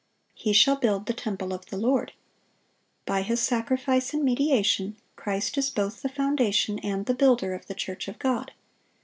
(677) "He shall build the temple of the Lord." By His sacrifice and mediation, Christ is both the foundation and the builder of the church of God.